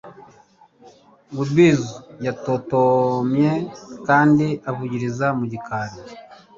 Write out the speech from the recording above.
we buzzsaw yatontomye kandi avugiriza mu gikari